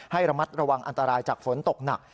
ให้ระมัดระวังอันตรายจากฝนตกหนัก